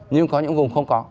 nhưng có những vùng không có